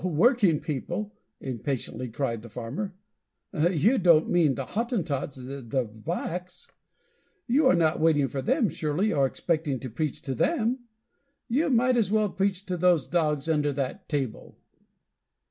"Working people?" impatiently cried the farmer. "You don't mean the Hottentots, the blacks! You are not waiting for them surely, or expecting to preach to them? You might as well preach to those dogs under that table!"